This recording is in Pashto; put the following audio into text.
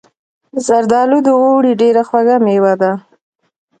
زردالو د اوړي ډیره خوږه میوه ده.